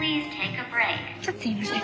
ちょっとすみません。